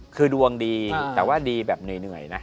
คือดวงดีแต่ว่าดีแบบเหนื่อยนะ